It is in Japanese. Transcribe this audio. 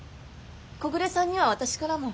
木暮さんには私からも。